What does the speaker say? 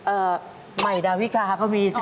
เออใหม่ดาวิกาก็มีจ๊ะ